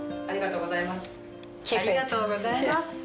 ありがとうございます。